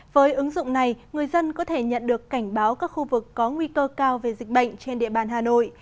với ứng dụng này người dân có thể nhận được cảnh báo các khu vực có nguy cơ cao về dịch bệnh trên địa bàn hà nội